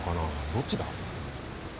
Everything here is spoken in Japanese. どっちだ？